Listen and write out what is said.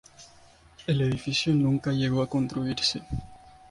El edificio nunca llegó a construirse.